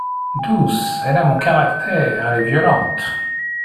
Douce ! elle a mon caractère, elle est violente.